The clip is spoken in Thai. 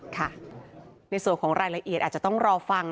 ค่ะในส่วนของรายละเอียดอาจจะต้องรอฟัง